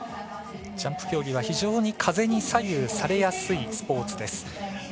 ジャンプ競技は非常に風に左右されやすいスポーツです。